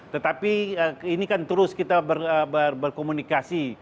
tetapi ini kan terus kita berkomunikasi